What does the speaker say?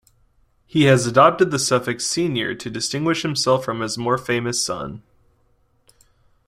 He has adopted the suffix "Senior" to distinguish himself from his more famous son.